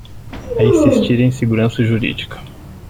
É insistir em segurança jurídica